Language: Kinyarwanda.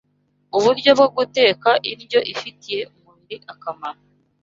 uburyo bwo guteka indyo ifitiye umubiri akamaro